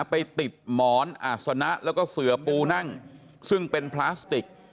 ไปติดหมอนอาศนะแล้วก็เสือปูนั่งซึ่งเป็นพลาสติก